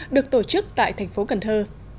được tổ chức tại thành phố cần thơ